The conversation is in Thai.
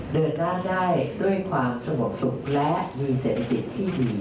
เดินหน้าได้ด้วยความสงบสุขและมีเศรษฐกิจที่ดี